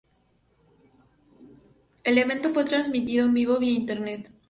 El evento fue transmitido en vivo vía internet.